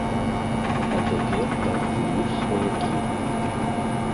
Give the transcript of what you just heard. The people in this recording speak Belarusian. А цяпер там жывуць сваякі.